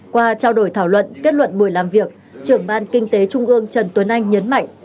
qua trao đổi thảo luận kết luận buổi làm việc trưởng ban kinh tế trung ương trần tuấn anh nhấn mạnh